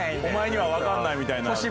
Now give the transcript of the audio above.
お前にはわからないみたいな。